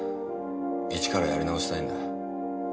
一からやり直したいんだ。